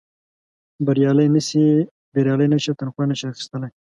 بریالي نه شي تنخوا نه شي اخیستلای.